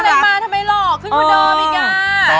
ไหนทำไมมาทำไมหลอกครึ่งคนเดิมอีกอะ